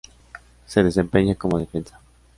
Se desempeña como defensa.